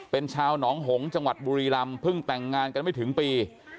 เป็นชาวหนองหงษ์จังหวัดบุรีรำเพิ่งแต่งงานกันไม่ถึงปี